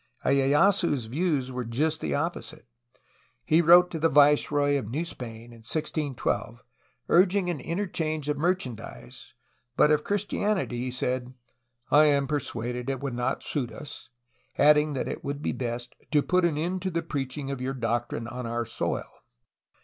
lyeyasu^s views were just the opposite. He wrote to the viceroy of New Spain in 1612, urging an interchange of merchandise, but of Christianity he said: "I am persuaded it would not suit us,'' adding that it would be best "to put an end to the preaching of your doctrine on our soil."